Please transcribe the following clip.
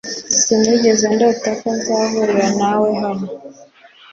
Sinigeze ndota ko nzahurira nawe hano